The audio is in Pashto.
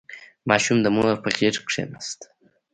• ماشوم د مور په غېږ کښېناست.